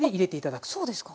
あっそうですか。